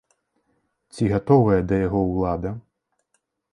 Ці гатовая да яго ўлада?